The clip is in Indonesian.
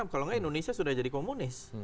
kalau enggak indonesia sudah jadi komunis